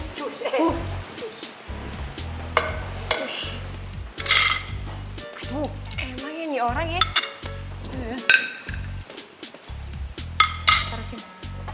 aduh emangnya nih orang ya